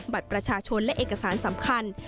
บัตรประชาชนและเอกสารสำคัญ